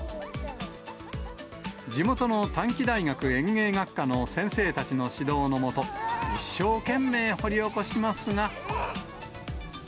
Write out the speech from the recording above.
地元の短期大学園芸学科の先生たちの指導の下、一生懸命掘り起こしますが。